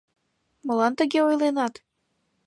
Молан тыге ойленат?